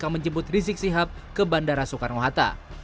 menjemput rizik sihab ke bandara soekarno hatta